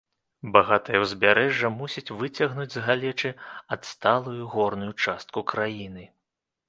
Багатае ўзбярэжжа мусіць выцягнуць з галечы адсталую горную частку краіны.